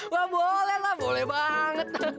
wah boleh lah boleh banget